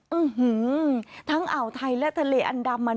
อื้อหือทั้งอ่าวไทยและทะเลอันดามมัน